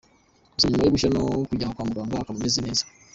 Gusa nyuma yo gushya no kujyanwa kwa muganga akaba ameze neza.